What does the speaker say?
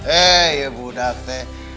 eh ya budak teh